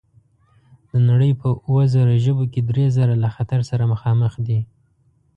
د نړۍ په اووه زره ژبو کې درې زره له خطر سره مخامخ دي.